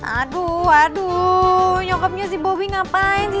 aduh aduh nyokapnya si bobi ngapain sih